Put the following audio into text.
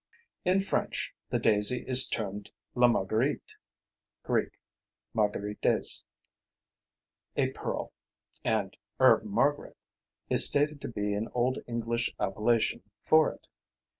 In French the daisy is termed la marguerite (μαργαρίτης, a pearl), and "herb margaret" is stated to be an old English appellation for it.